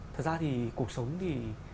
thật ra thì cuộc sống thì